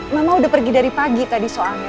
mama udah pergi dari pagi tadi soalnya